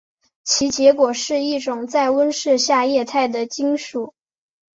其结果是一种在室温下液态的金属。